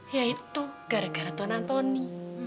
ya itu gara gara tuan antoni